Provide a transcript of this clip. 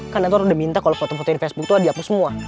kan edward udah minta kalau foto foto di facebook tuh ada dihapus semua